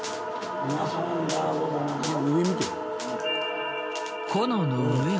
上見てる？